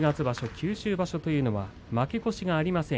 九州場所というのは負け越しがありません。